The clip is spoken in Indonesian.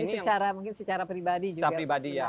ini mungkin secara pribadi juga menarik ya